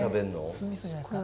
酢みそじゃないですか？